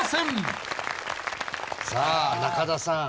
さあ中田さん